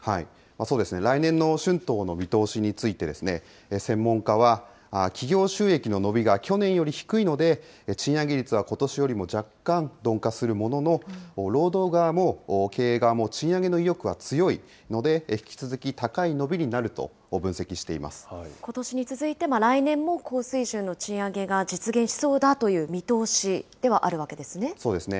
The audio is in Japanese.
そうですね、来年の春闘の見通しについて、専門家は、企業収益の伸びが去年より低いので、賃上げ率はことしより若干鈍化するものの、労働側も経営側も賃上げの意欲は強いので、引き続き高い伸びになことしに続いて、来年も高水準の賃上げが実現しそうだという見通しではあるわけでそうですね。